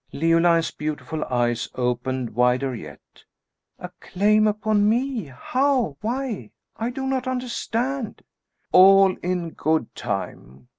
Leoline's beautiful eyes opened wider yet. "A claim upon me! How? Why? I do not understand." "All in good time.